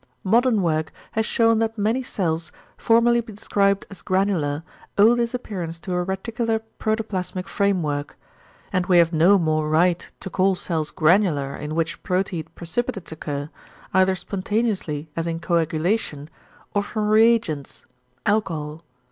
Modern work has shewn that many cells, formerly described as granular, owe this appearance to a reticular protoplasmic framework. And we have no more right to call cells granular in which proteid precipitates occur, either spontaneously as in coagulation, or from reagents (alcohol).